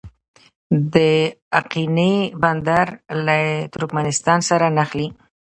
د اقینې بندر له ترکمنستان سره نښلي